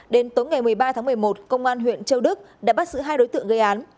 đến tối ngày một mươi ba tháng một mươi một công an huyện châu đức đã bắt giữ hai đối tượng gây án